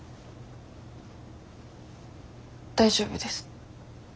大丈夫です。